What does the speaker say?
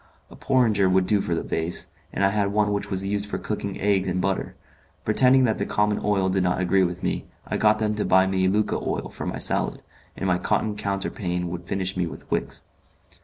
A porringer would do for the vase, and I had one which was used for cooking eggs in butter. Pretending that the common oil did not agree with me, I got them to buy me Lucca oil for my salad, and my cotton counterpane would furnish me with wicks.